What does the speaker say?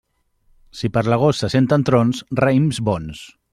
Si per l'agost se senten trons, raïms bons.